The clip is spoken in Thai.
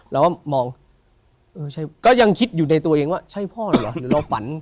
เราก็มองก็ยังคิดอยู่ในตัวเองว่าใช่พ่อเหรอหรือเราฝัน